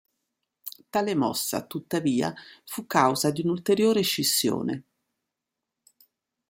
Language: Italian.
Tale mossa, tuttavia, fu causa di un'ulteriore scissione.